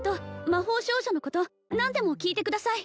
魔法少女のこと何でも聞いてください